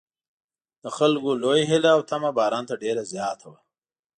د خلکو لویه هیله او تمه باران ته ډېره زیاته وه.